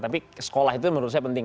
tapi sekolah itu menurut saya penting